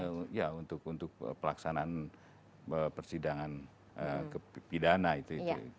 iya untuk pelaksanaan persidangan pidana itu